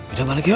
udah balik ya